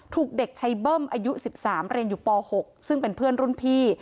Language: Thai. ถูกเด็กชัยเบิ้มอายุ๑๓เรียนอยู่ป๖ซึ่งเป็นเพื่อนรุ่นพี่